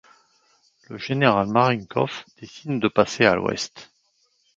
Le général Marenkov décide de passer à l'ouest.